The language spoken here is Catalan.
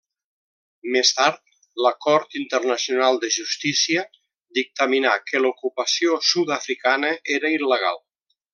Més tard, la Cort Internacional de Justícia dictaminà que l'ocupació sud-africana era il·legal.